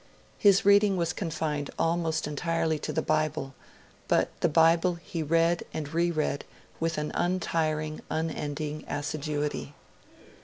His reading was confined almost entirely to the Bible; but the Bible he read and re read with an untiring, unending assiduity.